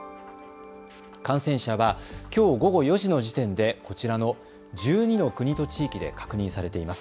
感染者はきょう午後４時の時点でこちらの１２の国と地域で確認されています。